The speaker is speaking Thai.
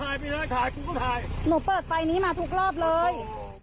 หนูเปิดไฟนี้มาทุกรอบเลย